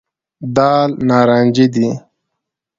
دال نارنجي دي.